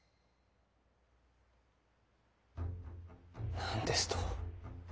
何ですと？